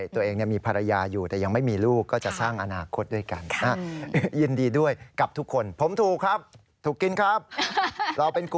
เป็นกลุ่มใหญ่อันนี้ไม่ต้องห่วงมีพวกเยอะค่ะ